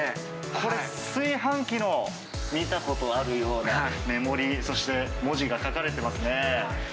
これ炊飯器の、見たことあるような目盛り、そして文字が書かれてますね。